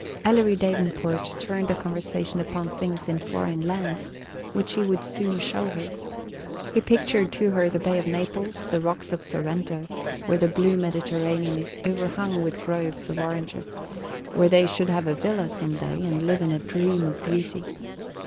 Ellery Davenport turned the conversation upon things in foreign lands, which he would soon show her. He pictured to her the bay of Naples, the rocks of Sorrento, where the blue Mediterranean is overhung with groves of oranges, where they should have a villa some day, and live in a dream of beauty.